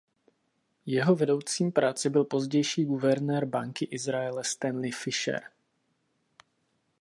Jeho vedoucím práce byl pozdější guvernér Banky Izraele Stanley Fischer.